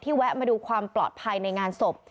แวะมาดูความปลอดภัยในงานศพ